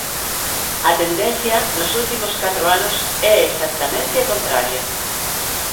A tendencia nos últimos catro anos é exactamente a contraria.